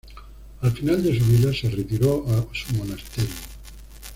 Al final de su vida, se retiró a su monasterio.